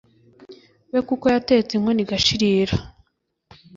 we kuko yatetse inkono igashirira